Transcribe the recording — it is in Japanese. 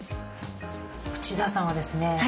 内田さんはですね